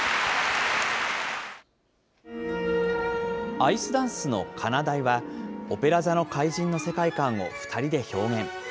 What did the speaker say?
アイスダンスのかなだいは、オペラ座の怪人の世界観を２人で表現。